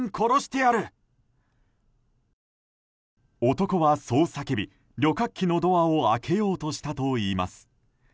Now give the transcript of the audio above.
男はそう叫び、旅客機のドアを開けようとしたといいます。